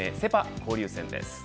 交流戦です。